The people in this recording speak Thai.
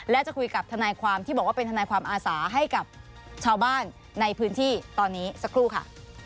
และจะคุยกับทนายความที่บอกว่าเป็นทนายความอาสาให้กับชาวบ้านในพื้นที่ตอนนี้สักครู่ค่ะ